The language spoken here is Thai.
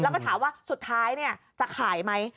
แล้วก็ถามว่าสุดท้ายจะขายไหม